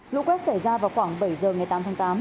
lũ quét xảy ra vào khoảng bảy giờ ngày tám tháng tám